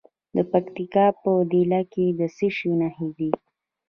د پکتیکا په دیله کې د څه شي نښې دي؟